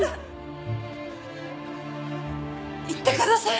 行ってください。